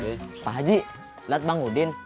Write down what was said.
pak pak haji liat bang udin